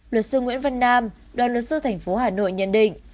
luật sư nguyễn văn nam đoàn luật sư tp hà nội nhận định